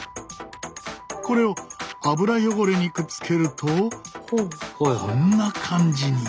これを油汚れにくっつけるとこんな感じに。